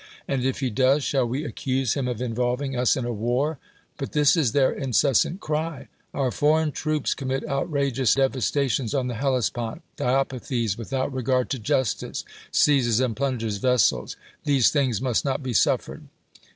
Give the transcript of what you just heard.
And if he does, shall we accuse him of involving us in a war ? But this is their incessant ciy : "Our foreign troops commit outrageous devas tations on the Hellespont : Diopithes, without re gard to justice, seizes and plunders vessels! These things must not be suffered."